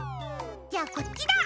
じゃあこっちだ！